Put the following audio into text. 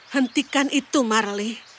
hentikan itu marley